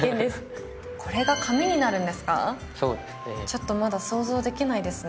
ちょっとまだ想像できないですね。